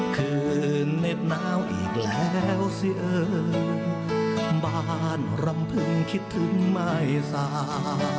คือเม็ดนาวอีกแล้วเสียบ้านรำพึงคิดถึงไม่ซ้า